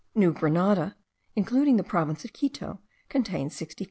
New Grenada, including the province of Quito, contains 65,000.